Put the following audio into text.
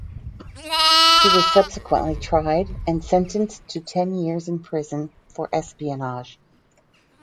She was subsequently tried and sentenced to ten years in prison for espionage.